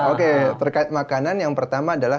oke terkait makanan yang pertama adalah